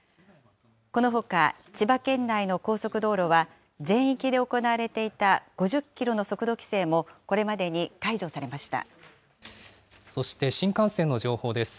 このほか千葉県内の高速道路は、全域で行われていた５０キロの速度規制もこれまでに解除されましそして新幹線の情報です。